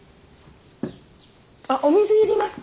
あっお水いりますか？